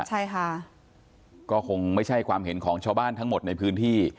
ใช่ค่ะก็คงไม่ใช่ความเห็นของชาวบ้านทั้งหมดในพื้นที่